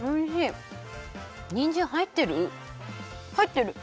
にんじんはいってる？